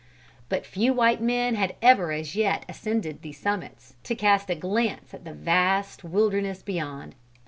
But few white men had ever as yet ascended these summits, to cast a glance at the vast wilderness beyond.